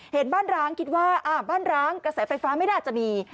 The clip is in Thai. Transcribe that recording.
เห็นบ้านร้างคิดว่าบ้านร้างกระแสไฟฟ้าไม่น่าจะมี